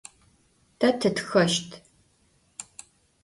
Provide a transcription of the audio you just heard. Te tıtxeşt.